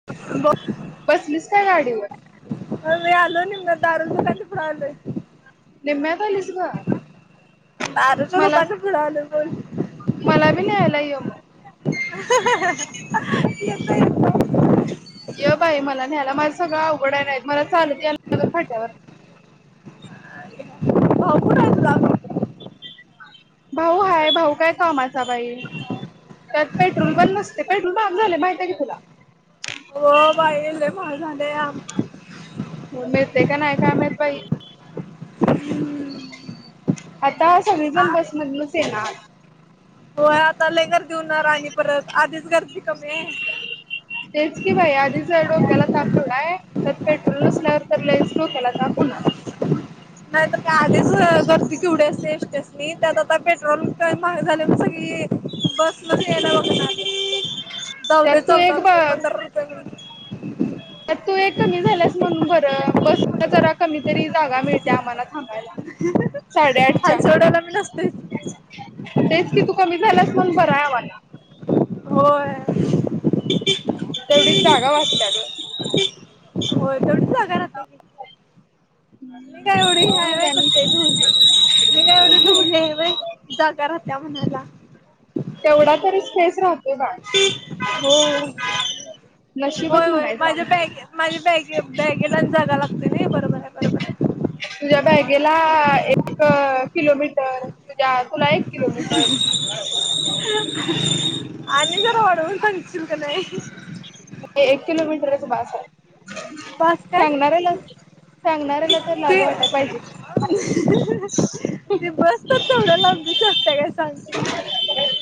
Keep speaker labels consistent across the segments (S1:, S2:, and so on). S1: बो
S2: बसलीस काय गाडीवर.
S1: होय बाई आलोय निम्म्या दारज च्या पुढ आलोय.
S2: निम्म्यात आलीस ग
S1: बारच्या
S2: मला
S1: रोपाच पुढं आलोय म्हणलो.
S2: मला बी न्हायला ये मग.
S1: हा-हा, येतो येतो.
S2: ये बाई मला न्हायला, माझ सगळं आवघड हाय, नाही तर मला चालत यायला लागलं फाट्यावर.
S1: भाऊ कुटाय तुजा
S2: भाऊ हाय भाऊ काय कामाचा बाई. त्यात पेट्रोल पण नसतय, पेट्रोल महाग झालय माहिती आहे काय तुला.
S1: व्हय बाई लय महाग झालया.
S2: मिळतय काय नाही काय माहित बाई. आता
S1: आ
S2: सगळेजण बसमधनच येणार.
S1: होय आता लय गर्दी होणार आणि परत, आधीच गर्दी कमी हाय.
S2: तेच की बाई आधीच तुझ्या डोक्याला ताप थोडा हाय. त्यात पेट्रोल नसल्यावर तर लयच डोक्याला ताप हुणार.
S1: नाही तर काय आधीच गर्दी केवढी असते एसट्यासनी, त्यात आता पेट्रोल महाग झालय म्हणून सगळी बसनच यायला बघणार. जाऊ दे
S2: त्यात तु
S1: चौदा
S2: एक ब
S1: रुपये पंधरा रुपये मिळून.
S2: त्यात तु एक कमी झाल्यास म्हणून बर, बसमध्ये जरा कमीतरी जागा मिळते आम्हाला थांबायला.
S1: [unintelligible] हाल
S2: साडेआठच्या,
S1: सोडायला मी नसतोय.
S2: तेच कि तू कमी झाल्यास म्हणून बर हाय आम्हाला.
S1: होय.
S2: तेवढीच जागा वाचत्या ग.
S1: होय तेवढीच जागा राहत्या की. मी काय एवढी ह्या
S2: हो
S1: वय
S2: झाली.
S1: तु हे हाय होय जागा राहत्या म्हणायला.
S2: तेवढा तरी स्पेस राहतोय बाळ.
S1: हो
S2: नशीबच
S1: होय होय
S2: म्हणायचं
S1: माझ्या
S2: आमचं.
S1: बॅग माझ्या बॅगे बॅगेलाच जागा लागतोय, नई बरोबर आहे बरोबर आहे.
S2: तुझ्या बॅगेला एक किलोमीटर, तुझ्या तुला एक किलोमीटर.
S1: आणि जरा वाढवून सांगशील का नाही.
S2: एक किलोमीटरच बास हाय.
S1: बास काय
S2: सांगणाऱ्याला सांगणाऱ्याला तर लाज वाटायला पाहिजे.
S1: ते बस तर तेवडं लांबीची असत्या काय सांग.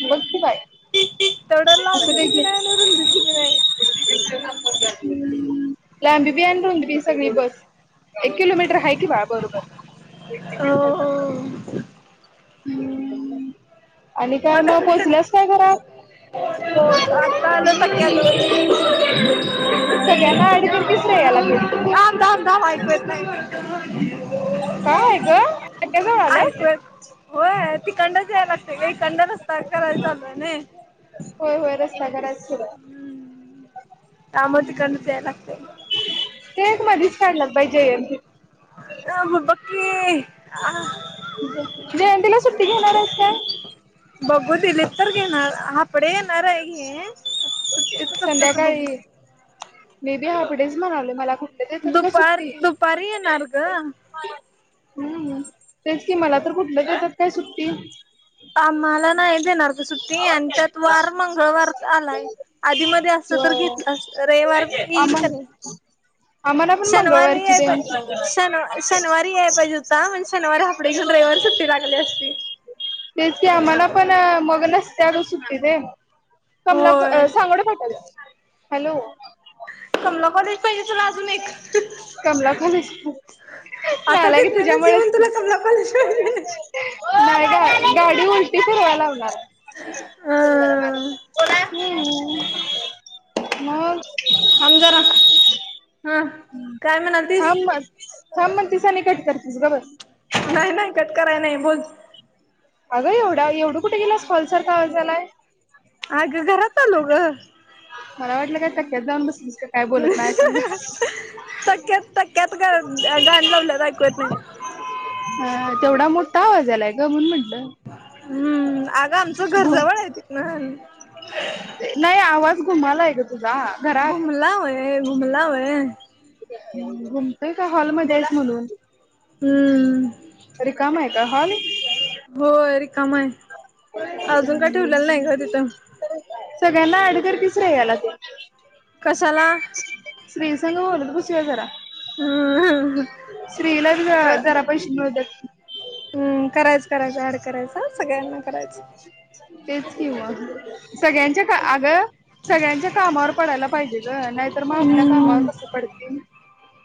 S2: बघ की बाई
S1: तेवढ्या लांबीची बी नाही, आणि रुंदीची बी नाही.
S2: हम्म लांबी बी आण, रुंदी बी सगळी बघ. एक किलोमीटर आहे की बाळ बरोबर.
S1: हं, हो.
S2: हम्म आणि काय मग पोहचल्यास काय घरात.
S1: आत्ता आलोय तक्यात.
S2: सगळ्यांना ऍड कर की श्रेया ला तेन.
S1: [unintelligible] ऐकत,
S2: काय ग आत्या जवळ आल्यास
S1: होय तिकडनंच यायला लागतय ग. तिकडन रस्ता करायला चालू हाय नाही.
S2: होय होय रस्ता करायचं सुरू हाय.
S1: त्यामुळ तिकडनच यायला लागतय.
S2: ते एक मधीच काढल्यात बाई जयंती.
S1: ये ममे बघ की.
S2: जयंतीला सुट्टी घेणार आहेस काय?
S1: बघू दिली तर घेणार हापडे येणार आहे घे सुट्टी
S2: संध्याकाळी मी बी हाफडेच म्हणालोय मला देत्यात कसं काय
S1: दुपार
S2: सुट्टी.
S1: दुपारी येणार ग.
S2: हम्म तेच कि मला तर कुठल्या देतात काय सुट्टी.
S1: आम्हाला नाही देणारग सुट्टी आणि त्यात वार मंगळवारच आलाय. आधी मध्ये असतं तर घेतलं असतं रविवार
S2: होय
S1: येईल की नाही.
S2: [inaudible]
S1: शनिवारी
S2: मंगळवारची
S1: याय
S2: तेन
S1: पायजे. शनव शनिवारी याय पाहिजे होता, मग शनिवारी हापडे घेऊन रविवारी सुट्टी टाकली असती.
S2: तेच की आम्हाला पण मग नसतिया ग सुट्टी तेन. कमला
S1: होय.
S2: सांगोडे फाट्याला, हॅलो.
S1: कमला कॉलेज पाहिजे तूला अजून एक.
S2: कमला कॉलेज
S1: आता
S2: नालायक
S1: तिथन नच
S2: तुझ्यामुळेच
S1: येऊन
S2: की
S1: तुला कमला कॉलेज पाहिजे.
S2: नाही का गाडी उलटी फिरवाय लावनार.
S1: अ
S2: चल जरा माग सर, बोला. मग.
S1: थांब जरा. हा काय म्हणालतीस?
S2: थांब मग थांब म्हणतिस आणि कट करतीस गप बस.
S1: नाही नाही कट कराय नाही बोल.
S2: अगं एवढा एवढं कुठे गेलास कॉलसारखा आवाज यालाय.
S1: अगं घरात आलो ग.
S2: मला वाटलं काय तक्यात जाऊन बसलीस का काय बोलत माझ्या संग
S1: तक्यात तक्यात ग गाणी लावल्यात ऐकू येत नाही.
S2: अ तेवढा मोठा आवाज यालाय ग म्हणून म्हंटलं.
S1: हम्म आगं आमचं घर
S2: घु
S1: जवळ आहे तिथन.
S2: नाही आवाज घुमालाय ग तुझा. घरात
S1: घुमला वय घुमला वय.
S2: घुमतोय का हॉलमध्ये आहेस म्हणून,
S1: हम्म.
S2: रिकामा आहे. का हॉल.
S1: होय रिकाम हाय, अजून काय ठेवलेल नाही ग तिथं.
S2: सगळ्यांना ॲड कर की श्रेयाला तेन.
S1: कशाला.
S2: श्री संग बोलत बसूया जरा.
S1: हम्म
S2: श्रीरंग ला जरा पैशे मिळूद्यात.
S1: हम्म करायचं करायचं ॲड करायचं सगळ्यांना करायचं.
S2: तेच कि मग सगळ्यांच्या का आग सगळ्यांच्या कामावर पडायला पाहिजे ग नाहीतर मग आपल्या कामावर
S1: हम्म
S2: कसं पडतील.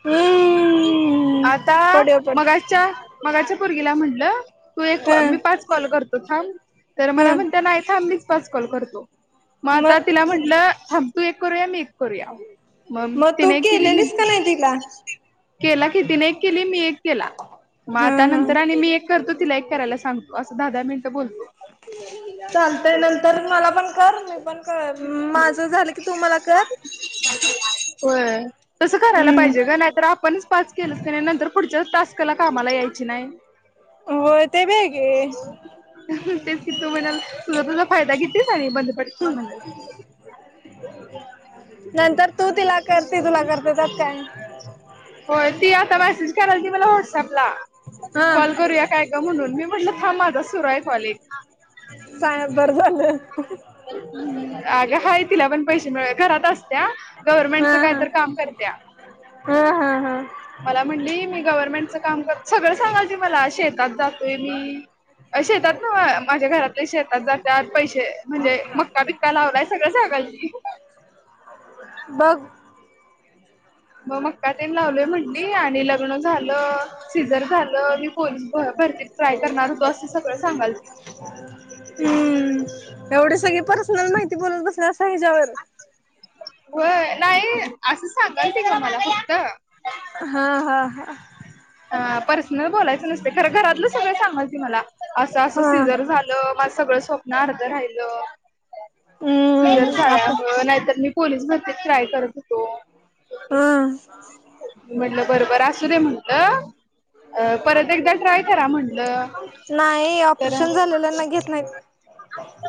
S1: हम्म
S2: आता
S1: पड पड
S2: मगाशी च्या मगाच्या पोरगीला म्हटलं तू एक
S1: हा
S2: मी पाच कॉल करतो थांब. तर मला
S1: हा
S2: म्हणतिया नाही थांब मीच पाच कॉल करतो मग आता तिला म्हटलं थांब तू एक करूया मी एक करूया मग तीन
S1: तू
S2: एक केली मी
S1: केलेलीस का नाही तिला
S2: केला कि तीने एक केली मी एक केला मग
S1: हा
S2: आता
S1: हा
S2: नंतर आणि मी एक करतो तिला एक करायला सांगतो असं एक दहा, दहा मिनिटं बोलतो.
S1: चालतय नंतर मला पण कर मी पण कर माझं झालं की तू मला कर
S2: होय तस करायला
S1: हम्म
S2: पाहिजे ग नाहीतर आपण पाच केलं का नाही नंतर पुढच्या टास्काला कामाला यायची नाही.
S1: होय ते पण आहे की
S2: तेच कि तू म्हणल तुझा तुझा फायदा घेतीच आहे आणि बंद पडतीस म्हणल
S1: नंतर तू तिला करते तुला करते त्यात काय?
S2: होय ती आता मेसेज करालती मला व्हॉटसअपला
S1: हा
S2: कॉल करूया काय म्हणून मी म्हटलं हा माझा सुरु आहे कॉल एक
S1: बाई बर झालं
S2: अग हाय तिला पण पैसे मिळवायला घरात अस
S1: हा
S2: गव्हर्मेंट
S1: हा
S2: कायतर काम करतील.
S1: हा हा हा.
S2: मला म्हणली मी गव्हर्नमेंटचं काम कर सगळं सांगालती मला शेतात जातोय मी शेतात नव्ह माझ्या घरातले शेतात जात्यात पैसे म्हणजे मक्का बिक्का लावलाय सगळं सांगालती.
S1: बघ
S2: मग मक्का तेन लावलोय म्हणली आणि लग्न झालं, सिजर झालं मी पोलीस भरतीत ट्राय करणार होतो असं सगळं सांगालती
S1: हं एवढी सगळी पर्सनल माहिती बोलत बसलासा अस ह्याच्यावर
S2: हो नाही असं सांगालती ग मला फक्त
S1: हा हा हा
S2: पर्सनल बोलायचं नसते खरं घरातलं सगळं सांगालती मला असं असं
S1: हा
S2: सिजर झालं माझ सगळ स्वप्न अर्ध राहिलं सिझर
S1: हम्म आता
S2: झाल्यामुळ नाही तर मी भरतीत ट्राय करत होतो.
S1: हम्म
S2: मी म्हटलं बर बर असू देे म्हण म्हटलं परत एकदा ट्राय करा म्हटलं
S1: नाही
S2: तर
S1: ऑपरेशन झालेल्याना घेत नाही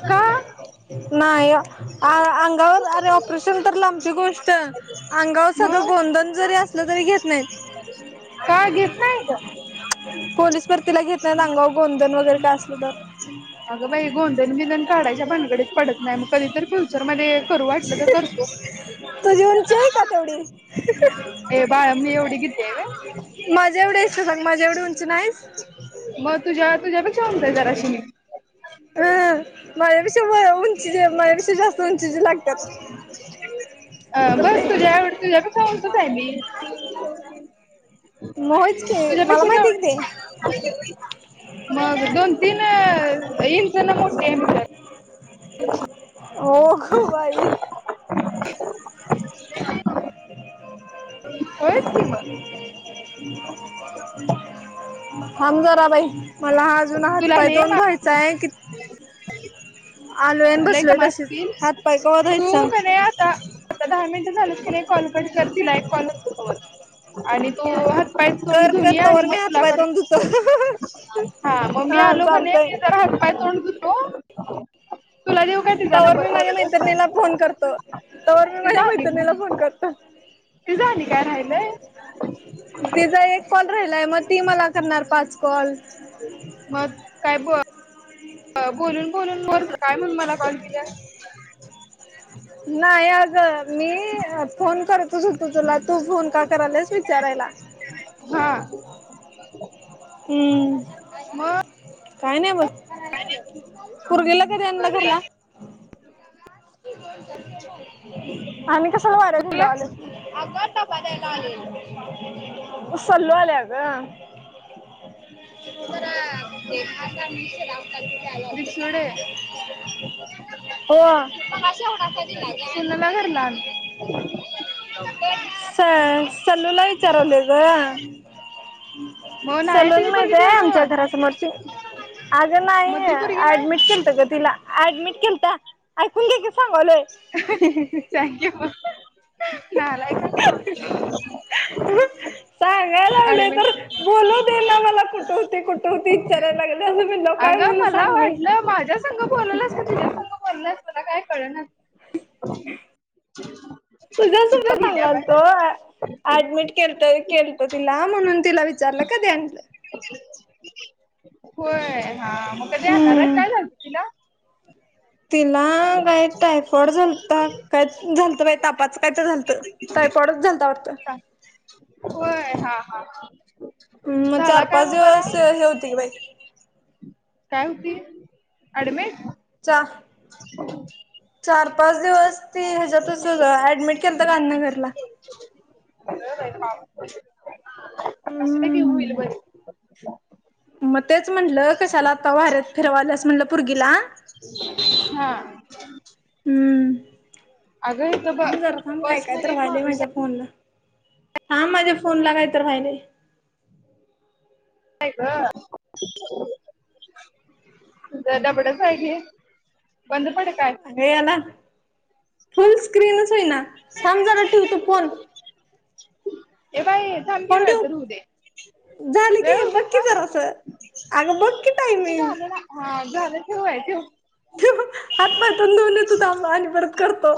S2: का
S1: नाही अंगावर अरे ऑपरेशन तर लांबची गोष्ट अंगावर साधं
S2: मग
S1: गोंधन जरी असलं तरी घेत नाहीत.
S2: काय घेत नाही येत
S1: पोलीस भरतीला घेत नाही आंगावर गोंधन वगैरे काय असलं तर
S2: अगं बाई गोंधन विंदन काढायच्या भानगडीत पडत नाही मग कधी तर फ्युचर मध्ये करू वाटलं तर करतो
S1: तुझी उंची आहे का तेवढी
S2: ए बाळा मी एवढी गीती आहे व्हय
S1: माझा एवढी आहेस का सांग माझा एवढी उंची नाही का
S2: मग तूझ्या तूझ्यापेक्षा उंच आहे जराशी मी
S1: ह माझ्यापेक्ष्या उंची जे माझ्यापेक्ष्या जास्त उंचीचेे लागतात.
S2: अ
S1: कुत्ते
S2: बस तुझ्या आ तुझ्यापेक्षा उंचच आहे मी
S1: [inaudible] मग होयच की मला
S2: तुझ्यापेक्षा
S1: माहिती कि ते
S2: [inaudible] मग दोन, तीन इंच न मोठी आहे मग मी
S1: अगं बाई
S2: [inaudible]
S1: ह [inaudible] [unintelligible]
S2: होयच की मग
S1: [inaudible] थांब जरां बाई मलां हां अजूंन हातपांय तोंड धुवायंचाय कि आलोय आणि
S2: लंय
S1: बसलोय
S2: कामं
S1: तशीच
S2: असतील
S1: हातपाय कवा धुवायचे
S2: तूं
S1: सांग
S2: कणांय आंता आंता दहा मिनिटं झालेत की नाहीं कॉल करूं शकतील आणि कॉलअसतो कां बघं आणि तोओ वाईचं तोंड
S1: कर
S2: धूंन
S1: कर
S2: यां आणि
S1: तवर मी
S2: मगं
S1: हातपाय तोंड धुतो
S2: मुलांकडेचं हां मंग मी
S1: हा
S2: आलो कां नाहीं
S1: चालतय
S2: मी जरां हात पांय तोंड धुतो तुलां देऊं कायं
S1: तोवर मी माझ्या मैत्रिणीलां फोन करतो हॅहॅ तोवर मी माझ्या मैत्रिणीलां फोन करतो.
S2: ईतं आणि कायं राहायलंय?.
S1: तिज्चां एक कॉल राहिलाय मगं ती मलां करणारं पांच कॉल.
S2: मंग? कायं बुआं अं बोलूंन बोलूंन बरंग कायं म्हणूंन मलां कॉल केलांस?.
S1: नाहीं अगं मीई फोन करं तुझुंच उचललांय तूं फोन कां करायलांस विचारांयला?.
S2: हां
S1: हं
S2: मग
S1: कायं नाहीं बंग पूर्वीला कधीं
S2: बर
S1: अणलं
S2: बाय
S1: घरंला?. आमी कश्यांला वाड्यांत हिंडूं
S2: कोणला
S1: आलोत आगतं डब्बां द्यायला आले सल्लो आल्यां गं.
S2: [unintelligible]
S1: ते जरां भांता शेते लावतां तिथे आलो
S2: दिपसुडे
S1: होतो. होआ बगां एवढांसा दिलांय.
S2: सुनाला घरला आम्ही
S1: त्ये कां असंअचं सल्लूंला विचारांलेएलं
S2: मग नाही
S1: सलूंन
S2: तिची पोरगी
S1: माहितंय आमच्यां
S2: तुझ्याजवळ
S1: घरांत मोरची अगं नाहीं,
S2: मग ती पोरगी
S1: ऍडमिट
S2: नाही
S1: केलतं गं तिलां ऍडमिट केलंता. हुंदे कीं सांगायलोय
S2: अहॅहॅ थँक्यू मगं अहंअह नालांयक
S1: हंऍ हअ ह्ह्हअं सांगाय लागले तरं,
S2: ऍडमिट
S1: बोलूं दे नां मलां कुटं होती कुटं होती करांय लागलं नी मिन्नो कायं म्हंनू सांग मी
S2: अगं बोललांच कां तुंज संग बोललं असतं नां कायं कळंनाच
S1: तुझ्यां सुइलं
S2: गेल्या
S1: सांगाल
S2: बाय
S1: तो ऍ ऍडमिट केल्तं रे केल्तं म्हणूंन तिलां विचारलं कधीं आणलं.
S2: होयं हां मंग कधीं आनणारैत मगं
S1: हम्म
S2: कायं झाल्तं तिलां?.
S1: तिल्लां नांय टायफॉयड झालंता तां कायं झालतं बाई तापाचं कायं तरं झालतं टायपॉडच झालतां वाटतं.
S2: व्होयं हां हां हां झालां कायं मो बरां अं
S1: होतीक बाई
S2: कायं होती? ऍडमेट?
S1: चां
S2: हम्मं
S1: चार पांच दिवसं तेए ह्यांच्यातचं ऍडमिट केल्तं गांधीनरला.
S2: स्वयंपाक नाई ती होईल बरी.
S1: मं तेचं म्हटलं कशांला आंत्ता वाऱ्यांत फिरवायलंस म्हटलं पोर्गीला
S2: [unintelligible] च्च हां
S1: हम्म,
S2: इथं ब
S1: थांम जरा थांब काय कायतर
S2: बसमध्ये एक
S1: व्हायलंय
S2: माणूस
S1: माझ्या फोनला. थांब माझ्या फोनला कायतर व्हायलंय.
S2: आईगं गडबडच हाय कि बंद पड काय
S1: अगं हेना, फुल स्क्रीनच होईना. थांब जरा ठीव तु फोन.
S2: ए बाई थांबकी,
S1: फोन
S2: वेळ
S1: ठेव
S2: तर हूं दे.
S1: झालं
S2: वेळ
S1: की
S2: हूं दे
S1: बघ की
S2: थांब,
S1: जरासं अगं बघ की
S2: कुठे
S1: टायमिंग
S2: जायलं. हा झालं, ठीव व्हय? ठेऊ
S1: ठीव हात, पाय, तोंड धुन येतो, थांब आणि परत करतो.